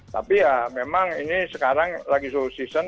tapi ya memang ini sekarang lagi soul season